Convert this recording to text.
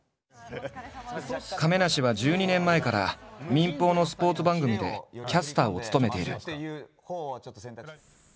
亀梨は１２年前から民放のスポーツ番組でキャスターを務めている。